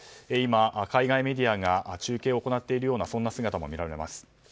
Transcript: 今、海外メディアが中継を行っているようなそんな姿も見られます。